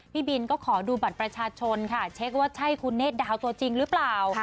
พี่บินก็ขอดูบัตรประชาชนค่ะเช็คว่าใช่คุณเนธดาวตัวจริงหรือเปล่า